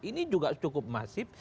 ini juga cukup masif